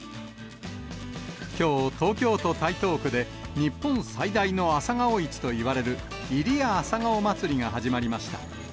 きょう、東京都台東区で、日本最大の朝顔市といわれる、入谷朝顔まつりが始まりました。